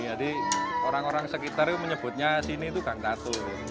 jadi orang orang sekitar menyebutnya sini itu gangtatu